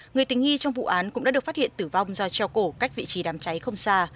người tình nghi trong vụ án cũng đã được phát hiện tử vong do treo cổ cách vị trí đám cháy không xa